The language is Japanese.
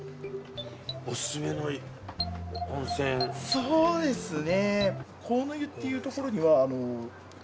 そうですね。